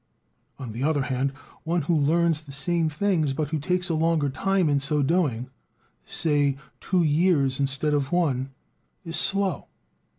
On the other hand, one who learns the same things, but who takes a longer time in so doing, say two years instead of one, is slow.